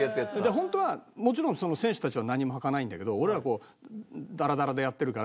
ホントはもちろん選手たちは何もはかないんだけど俺らはダラダラでやってるから。